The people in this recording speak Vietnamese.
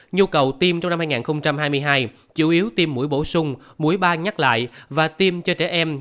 nhu cầu tiêm trong năm hai nghìn hai mươi hai chủ yếu tiêm mũi bổ sung mũi ba nhắc lại và tiêm cho trẻ em